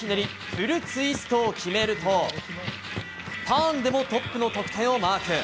フルツイストを決めるとターンでもトップの得点をマーク。